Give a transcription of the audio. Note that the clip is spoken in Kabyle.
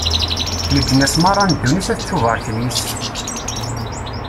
Leǧnas meṛṛa n ddunit ad ttubarken yis-k.